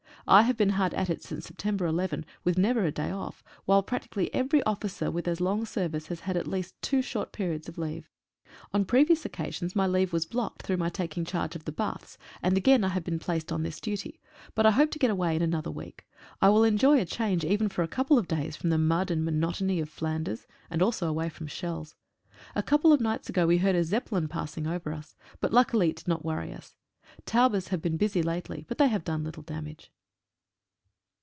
I have been hard at it since September 11, with never a day off, while practically every officer with as long service has at least had two short periods of leave. On pievious occasions my leave 52 NO ROOM FOR FAILURES. was blocked through my taking charge of the baths, and again I have been placed on this duty, but I hope to get away in another week. I will enjoy a change even for a couple of days from the mud and monotony of Flan ders and also away from shells. A couple of nights ago we heard a Zeppelin passing over us, but luckily it did not worry us. Taubes have been busier lately, but they have done little damage.